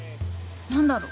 何だろう？